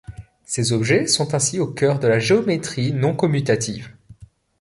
Ces objets sont ainsi au cœur de la géométrie non commutative.